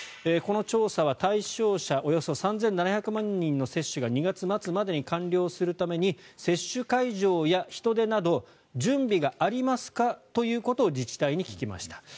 この調査は対象者およそ３７００万人の接種が２月末までに完了するために接種会場や人手など準備がありますかということを自治体に聞きました。